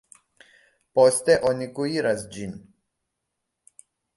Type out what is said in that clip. Poste oni kuiras ĝin.